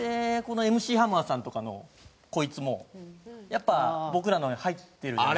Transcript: このＭＣハマーさんとかのこいつもやっぱ僕らのに入ってる。